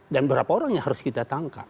dan berapa orang yang harus kita tangkap